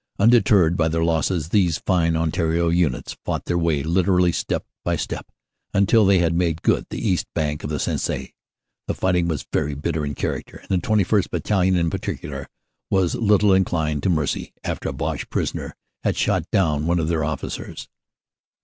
Undeterred by their losses these fine Ontario Units fought their way literally step by step until they had made good the east bank of the Sensee. The fighting was very bitter in character, and the 21st. Battalion in particular was little inclined to mercy after a Bochc prisoner had shot down one of their officers.